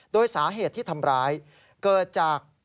โดยสาเหตุที่ทำร้ายเกิดจาก